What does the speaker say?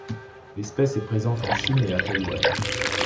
L'espèce est présente en Chine et à Taïwan.